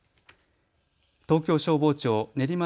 東京消防庁練馬